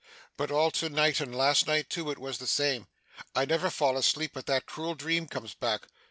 But, all to night, and last night too, it was the same. I never fall asleep, but that cruel dream comes back.